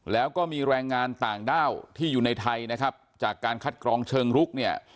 แล้วก็มีแรงงานต่างด้าวที่อยู่ในไทยนะครับจากการคัดกรองเชิงรุกเนี่ย